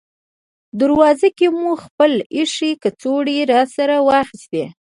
دروازه کې مو خپلې اېښې کڅوړې راسره واخیستې.